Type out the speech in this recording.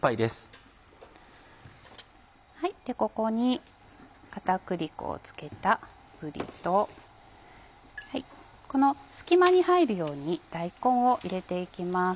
ここに片栗粉を付けたぶりとこの隙間に入るように大根を入れて行きます。